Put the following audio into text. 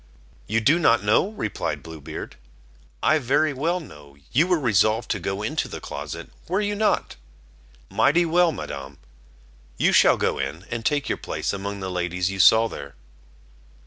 "You do not know," replied Blue Beard; "I very well know, you were resolved to go into the closet, were you not? Mighty well, Madam; you shall go in, and take your place among the ladies you saw there."